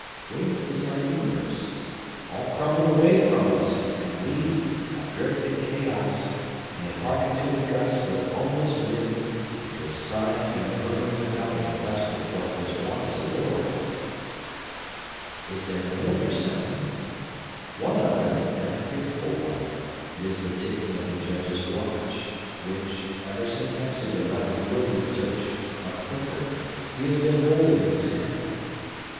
Where is our universe? All crumbled away from us; and we, adrift in chaos, may hearken to the gusts of homeless wind, that go sighing and murmuring about in quest of what was once a world! Is there no other sound? One other, and a fearful one. It is the ticking of the Judge's watch, which, ever since Hepzibah left the room in search of Clifford, he has been holding in his hand.